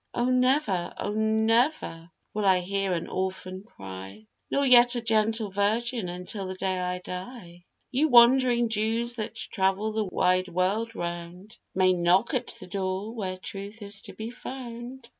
O, never, O, never will I hear an orphan cry, Nor yet a gentle virgin until the day I die; You wandering Jews that travel the wide world round, May knock at the door where truth is to be found.